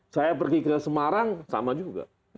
saya pergi ke semarang sama juga